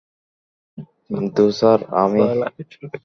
কিন্তু, স্যার, আমি।